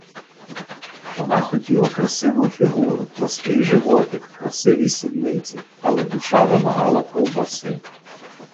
Вона хотіла красиву фігуру, плоский животик, красиві сідниці, але душа вимагала ковбаси.